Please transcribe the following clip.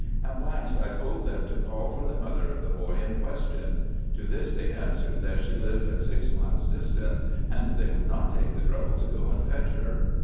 At last, I told them to call for the mother of the boy in question. To this they answered, that she lived at six miles distance, and they woidd not take the trouble to go and fetch her.